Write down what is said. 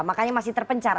makanya masih terpencar